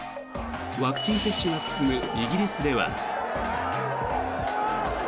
ワクチン接種が進むイギリスでは。